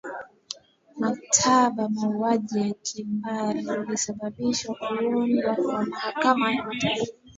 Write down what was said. mkataba wa mauaji ya kimbari ulisababishwa kuundwa kwa mahakama ya mataifa